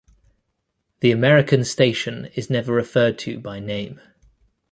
The American station is never referred to by name.